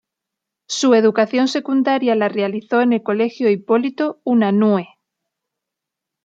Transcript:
Su educación secundaria la realizó en el Colegio Hipólito Unanue.